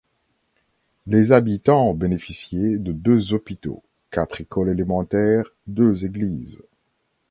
Les habitants bénéficiaient de deux hôpitaux, quatre écoles élémentaires, deux églises.